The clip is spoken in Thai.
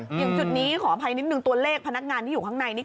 อย่างจุดนี้ขออภัยนิดนึงตัวเลขพนักงานที่อยู่ข้างในนี่